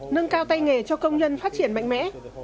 nâng cao tay nghề cho công nhân phát triển mạnh mẽ